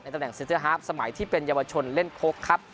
ตำแหนเซ็นเตอร์ฮาร์ฟสมัยที่เป็นเยาวชนเล่นโค้กครับ